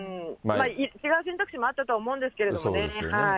違う選択肢もあったと思うんですけどね。